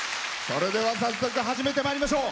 それでは早速、始めてまいりましょう。